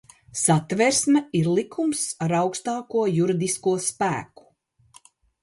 Satversme ir likums ar augst?ko juridisko sp?ku.